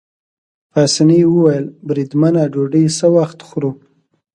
پاسیني وویل: بریدمنه ډوډۍ څه وخت خورو؟